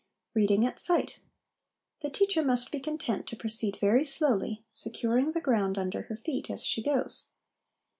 Reading at Sight. The teacher must be content to proceed very slowly, securing the ground under her feet as she goes.